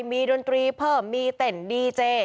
มีดนตรีเพิ่มมีเต้นดีเจ